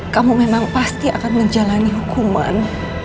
kamu memang pasti akan menjalani hukuman